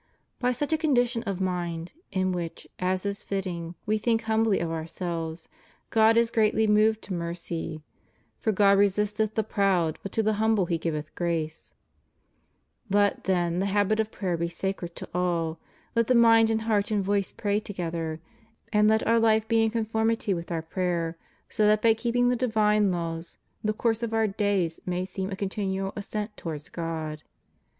By such a condition of mind, in which, as is fitting, we think humbly of ourselves, God is greatly moved to mercy, for God resisteth the proud^ hut to the humble He giveth grace} Let, then, the habit of prayer be sacred to all; let the mind and heart and voice pray together; and let our life be in conformity with our prayer, so that by keeping the divine laws, the course of our days may seem a continual ascent towards God.